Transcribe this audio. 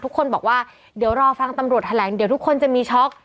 ทุกคนบอกว่าเดี๋ยวรอฟังตำรวจแถลงเดี๋ยวทุกคนจะมีช็อก